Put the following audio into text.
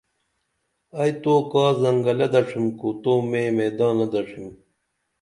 ائی تو کا زنگلہ دڇِھم کو تو میں میدانہ دڇِھم